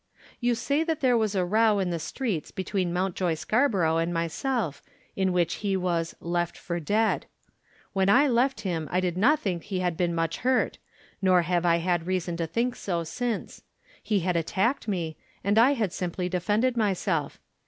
"You say that there was a row in the streets between Mountjoy Scarborough and myself in which he was 'left for dead.' When I left him I did not think he had been much hurt, nor have I had reason to think so since. He had attacked me, and I had simply defended myself.